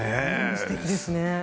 すてきでしたね。